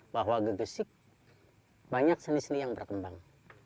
bahwa gegesik banyak seni seni yang berkembang